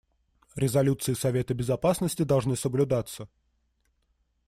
Резолюции Совета Безопасности должны соблюдаться.